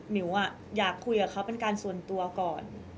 มิวอยากคุยกับเขาเป็นการส่วนตัวก่อน